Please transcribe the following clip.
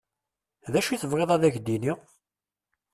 D acu i tebɣiḍ ad ak-d-iniɣ?